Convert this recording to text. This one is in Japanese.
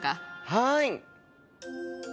はい。